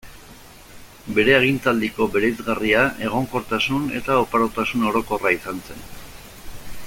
Bere agintaldiko bereizgarria egonkortasun eta oparotasun orokorra izan zen.